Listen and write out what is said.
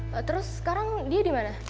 lalu sekarang dia di mana